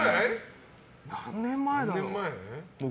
何年前だろう。